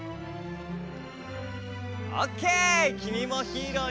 オッケー。